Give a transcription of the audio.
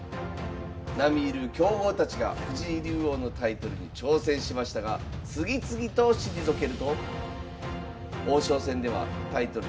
並み居る強豪たちが藤井竜王のタイトルに挑戦しましたが次々と退けると王将戦ではタイトル